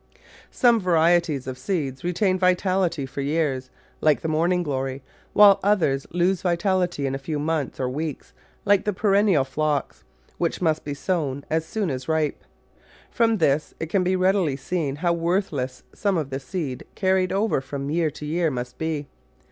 Some varieties of seeds retain vitality for years, like the Morning glory, while others lose vitality in a few months or weeks, like the perennial Phlox, which must be sown as soon as ripe. From this it can be readily seen how worthless some of the seed carried over from year to year must be.